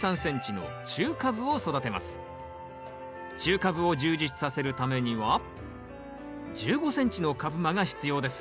中カブを充実させるためには１５ｃｍの株間が必要です。